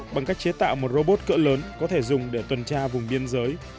bằng cách chế tạo một robot cỡ lớn có thể dùng để tuần tra vùng biên giới